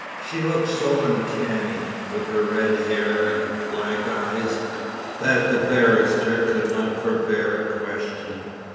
She looked so uncanny, with her red hair and black eyes, that the barrister could not forbear a question.